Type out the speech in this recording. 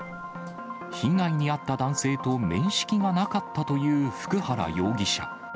被害に遭った男性と面識がなかったという福原容疑者。